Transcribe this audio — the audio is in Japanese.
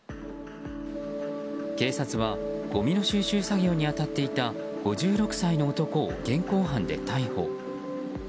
警察はごみの収集作業に当たっていた５６歳の男を現行犯で逮捕。